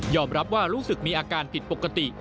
รับว่ารู้สึกมีอาการผิดปกติ